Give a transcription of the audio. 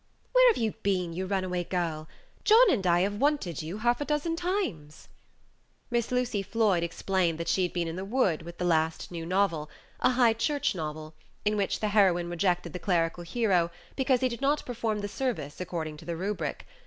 "Where have you been, you runaway girl? John and I have wanted you half a dozen times." Miss Lucy Floyd explained that she had been in the wood with the last new novel a High Church novel, in which the heroine rejected the clerical hero because he did not perform the service according to the Rubric.